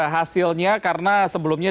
hasilnya karena sebelumnya